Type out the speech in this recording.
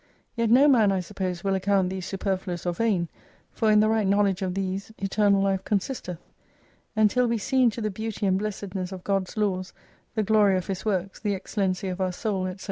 Yet no man, I suppose, will account these superfluous, or vain, for in the right knowledge of these Eternal Life consisteth. And till we see into the beauty and blessedness of God's Laws, the glory of His works, the excellency of our soul, &c.